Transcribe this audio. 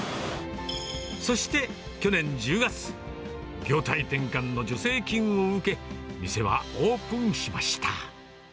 そして去年１０月、業態転換の助成金を受け、店はオープンしました。